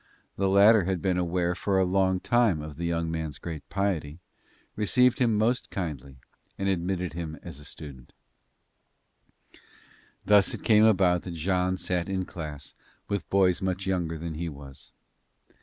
The latter had been aware for a long time of the young man's great piety, received him most kindly and admitted him as a student. Thus it came about that Jean sat in class with boys much younger than he was.